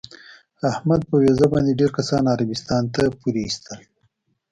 احمد په ویزه باندې ډېر کسان عربستان ته پورې ایستل.